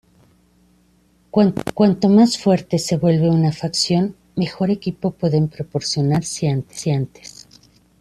Cuanto más fuerte se vuelve una facción, mejor equipo pueden proporcionar los comerciantes.